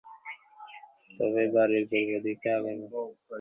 তবে বাড়ির পূর্বদিকে আগের মতোই দুটি ট্রাক রেখে প্রতিবন্ধকতা তৈরি করা হয়েছে।